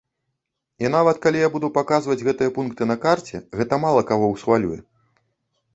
І нават калі я буду паказваць гэтыя пункты на карце, гэта мала каго ўсхвалюе.